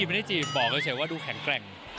ไม่ได้จีบบอกเฉยว่าดูแข็งแกร่ง